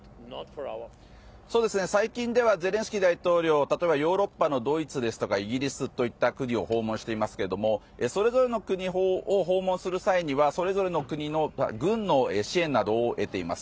最近ではゼレンスキー大統領は例えばヨーロッパのドイツですとかイギリスといった国を訪問していますけれどもそれぞれの国を訪問する際にはそれぞれの国の軍の支援などを得ています。